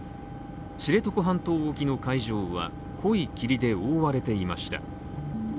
知床半島沖の海上は濃い霧で覆われていました。